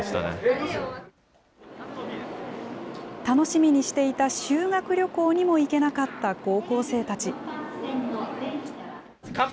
楽しみにしていた修学旅行にも行けなかった高校生たち。